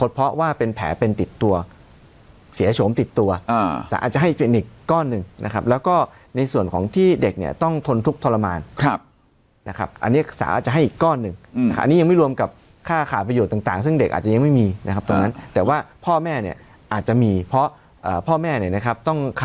เพราะว่าเป็นแผลเป็นติดตัวเสียโฉมติดตัวสารอาจจะให้เป็นอีกก้อนหนึ่งนะครับแล้วก็ในส่วนของที่เด็กเนี่ยต้องทนทุกข์ทรมานนะครับอันนี้สาจะให้อีกก้อนหนึ่งอันนี้ยังไม่รวมกับค่าขาดประโยชน์ต่างซึ่งเด็กอาจจะยังไม่มีนะครับตอนนั้นแต่ว่าพ่อแม่เนี่ยอาจจะมีเพราะพ่อแม่เนี่ยนะครับต้องข